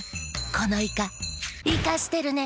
このイカイカしてるね」。